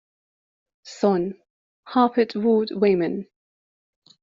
Son, Harper Edward Weyman.